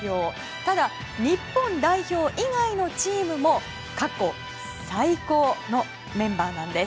ただ、日本代表以外のチームも過去最高のメンバーなんです。